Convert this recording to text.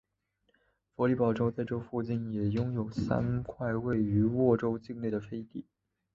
弗里堡州在这附近也拥有三块位于沃州境内的飞地。